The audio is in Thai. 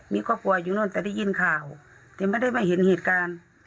มีครอบครัวอยู่นู่นแต่ได้ยินข่าวแต่ไม่ได้มาเห็นเหตุการณ์